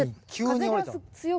風が強くて。